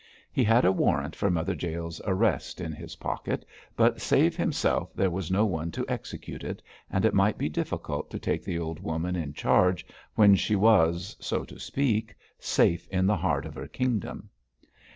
He had a warrant for Mother Jael's arrest in his pocket, but save himself there was no one to execute it, and it might be difficult to take the old woman in charge when she was so to speak safe in the heart of her kingdom.